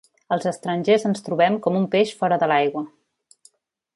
Els estrangers ens trobem com un peix fora de l’aigua.